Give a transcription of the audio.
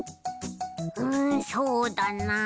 うんそうだなあ？